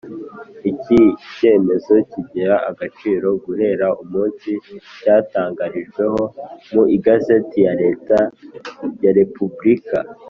Iki cyemezo kigira agaciro guhera umunsi cyatangarijweho mu Igazeti ya Leta ya Repubulika